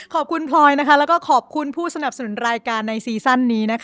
พลอยแล้วก็ขอบคุณผู้สนับสนุนรายการในซีซั่นนี้